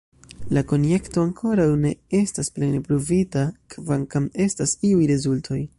La konjekto ankoraŭ ne estas plene pruvita, kvankam estas iuj rezultoj.